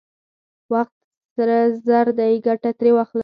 وخت سره زر دی، ګټه ترې واخلئ!